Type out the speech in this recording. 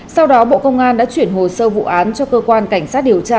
sau đó bộ công an đã chuyển hồ sơ vụ án cho cơ quan cảnh sát điều tra